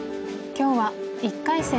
今日は１回戦